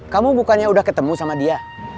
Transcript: kamu bukannya udah ketemu sama dia